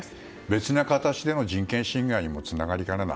別な形での人権侵害にもつながりかねない。